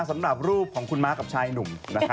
สำหรับรูปของคุณม้ากับชายหนุ่ม